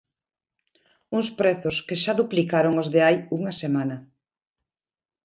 Uns prezos que xa duplicaron os de hai unha semana.